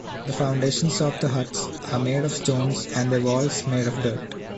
The foundations of the huts are made of stones and their walls made of dirt.